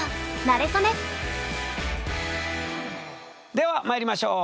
ではまいりましょう！